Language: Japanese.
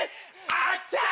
あっちゃ！